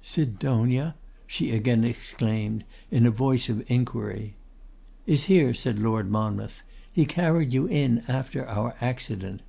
'Sidonia!' she again exclaimed, in a voice of inquiry. 'Is here,' said Lord Monmouth. 'He carried you in after our accident.